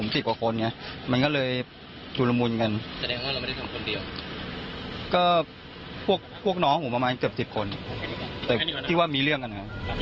แต่ที่ว่ามีเรื่องกัน